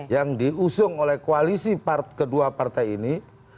yang diusung oleh koalisi kedua partai ini